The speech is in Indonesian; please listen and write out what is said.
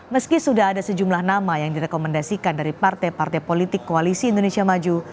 meski sudah ada sejumlah nama yang direkomendasikan dari partai partai politik koalisi indonesia maju